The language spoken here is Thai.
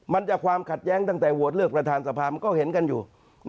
มันจะความขัดแย้งตั้งแต่โหวตเลือกประธานสภามันก็เห็นกันอยู่